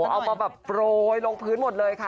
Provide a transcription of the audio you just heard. เอามาแบบโปรยลงพื้นหมดเลยค่ะ